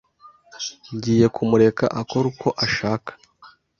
Ngiye kumureka akora uko ashaka.